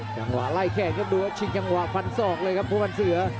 จังหวะไล่แขกเข้มดูกับชิงคคงเหาะฝันศอกเลยครับผู้บรรเสือ